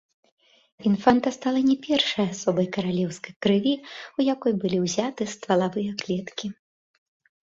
Інфанта стала не першай асобай каралеўскай крыві, у якой былі ўзяты ствалавыя клеткі.